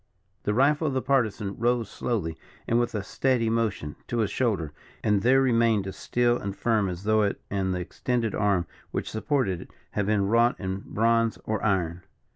The rifle of the Partisan rose slowly, and, with a steady motion, to his shoulder, and there remained as still and firm as though it and the extended arm which supported it, had been wrought in bronze or iron.